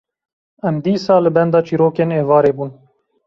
em dîsa li benda çîrokên êvarê bûn.